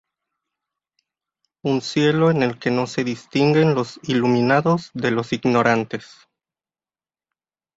Un cielo en el que no se distinguen los iluminados de los ignorantes.